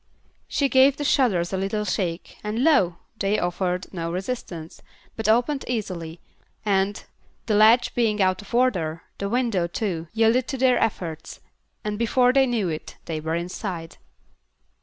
She gave the shutters a little shake and lo! they offered no resistance, but opened easily, and, the latch being out of order, the window, too, yielded to their efforts, and before they knew it, they were inside.